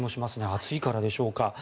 暑いからでしょうか。